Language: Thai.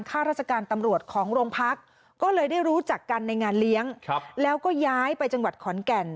ข้าราชการตำรวจของโรงพักก็เลยได้รู้จักกันในงานเลี้ยงแล้วก็ย้ายไปจังหวัดขอนแก่น